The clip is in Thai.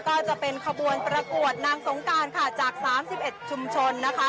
ก็จะเป็นขบวนประกวดนางสงการค่ะจาก๓๑ชุมชนนะคะ